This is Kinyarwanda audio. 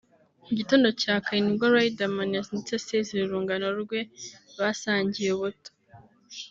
Mu gitondo cya kare nibwo Riderman yazindutse asezera urungano rwe basangiye ubuto